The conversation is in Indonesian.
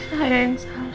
saya yang salah